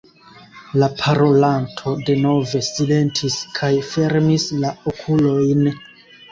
La parolanto denove silentis kaj fermis la okulojn.